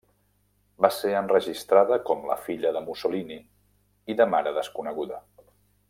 Va ser enregistrada com la filla de Mussolini i de mare desconeguda.